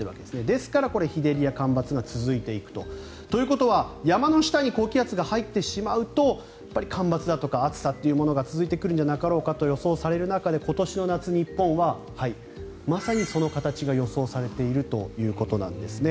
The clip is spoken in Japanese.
ですから、日照りや干ばつが続いていくと。ということは、山の下に高気圧が入ってしまうと干ばつだとか暑さというものが続いてくるんじゃなかろうかと予想される中で今年の夏、日本はまさにその形が予想されているということなんです。